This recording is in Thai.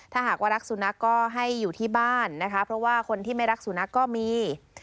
ถ้าหากว่ารักสุนัขก็ให้อยู่ที่บ้านนะคะเพราะว่าคนที่ไม่รักสุนัขก็มี